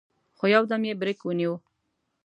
خو يودم يې برېک ونيو.